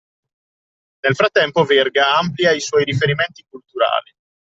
Nel frattempo Verga amplia i suoi riferimenti culturali